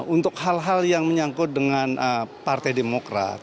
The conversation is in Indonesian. untuk hal hal yang menyangkutkan